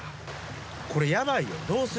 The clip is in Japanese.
これヤバいよどうする？